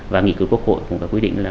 và nghị quyết quốc hội cũng đã quyết định là